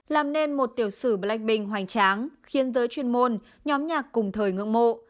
làm nên một tiểu sử blackpink hoành tráng khiến giới chuyên môn nhóm nhạc cùng thời ngưỡng mộ